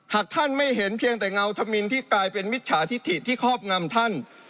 หากท่านไม่เห็นเพียงแต่เงาธมินที่กลายเป็นมิจฉาธิถิที่ครอบงำท่าน